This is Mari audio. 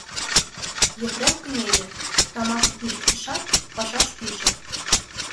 Епрем кынеле, тамакым пижыктышат, пашаш пиже.